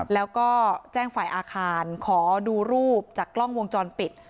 แล้วก็แจ้งฝ่ายอาคารขอดูรูปจากกล้องวงจรปิด